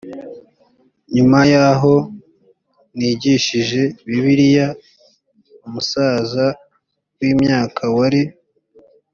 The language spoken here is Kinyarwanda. nyuma yaho nigishije bibiliya umusaza w imyaka wari